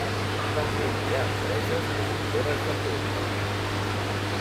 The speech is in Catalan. També hi ha empreses productores de polpa.